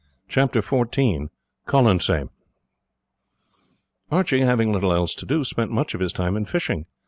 Chapter XIV Colonsay Archie, having little else to do, spent much of his time in fishing.